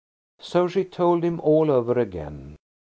So she told him all over again.